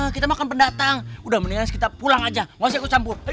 kita makan pendatang udah mendingan kita pulang aja nggak usah ikut campur